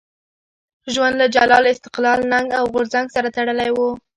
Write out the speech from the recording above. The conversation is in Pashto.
ژوند له جلال، استقلال، ننګ او غورځنګ سره تړلی وو.